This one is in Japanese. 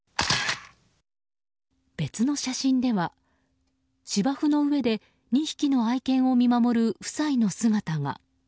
別の写真では芝生の上で２匹の愛犬を見守る夫妻の姿が。